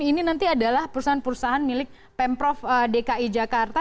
ini nanti adalah perusahaan perusahaan milik pemprov dki jakarta